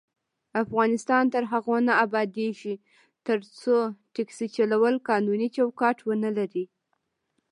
افغانستان تر هغو نه ابادیږي، ترڅو ټکسي چلول قانوني چوکاټ ونه لري.